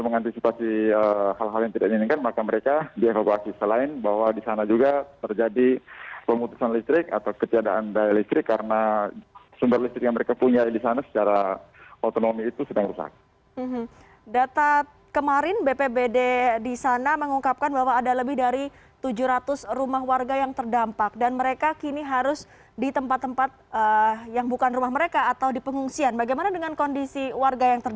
masih belum terangkat